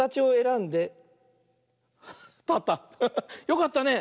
よかったね。